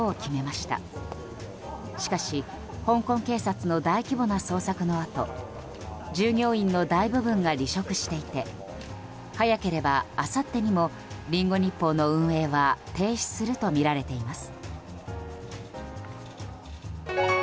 しかし香港警察の大規模な捜索のあと従業員の大部分が離職していて早ければ、あさってにもリンゴ日報の運営は停止するとみられています。